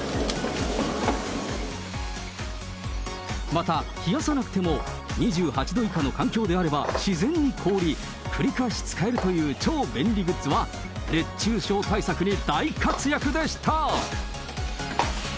また、冷やさなくても２８度以下の環境であれば自然に凍り、繰り返し使えるという超便利グッズは、熱中症対策に大活躍でした。